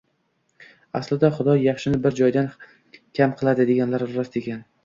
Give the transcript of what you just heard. Aslida, xudo yaxshini bir joyidan kam qiladi deganlari rost ekan